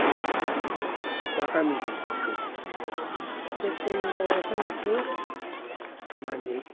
でくんだ若水を釜に移して。